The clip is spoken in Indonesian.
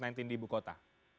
di ibu kota